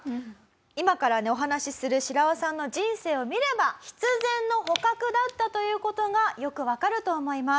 今からねお話しするシラワさんの人生を見れば必然の捕獲だったという事がよくわかると思います。